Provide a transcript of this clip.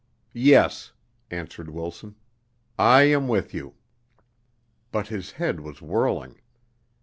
"Yes," answered Wilson, "I am with you." But his head was whirling.